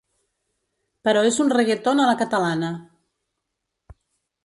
Però és un reggaeton a la catalana.